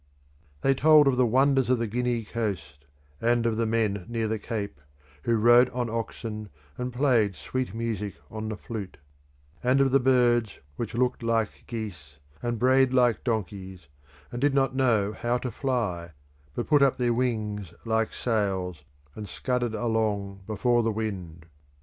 They told of the wonders of the Guinea coast, and of the men near the Cape, who rode on oxen and played sweet music on the flute; and of the birds which looked like geese, and brayed like donkeys, and did not know how to fly, but put up their wings like sails, and scudded along before the wind.